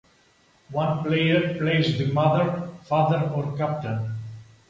One player plays the "mother", "father" or "captain".